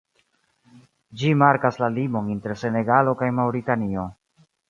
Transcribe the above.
Ĝi markas la limon inter Senegalo kaj Maŭritanio.